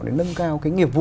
để nâng cao cái nghiệp vụ